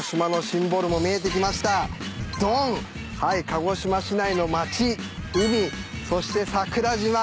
鹿児島市内の街海そして桜島